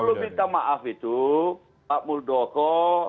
yang perlu minta maaf itu pak muldoko